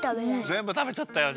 ぜんぶたべちゃったよね。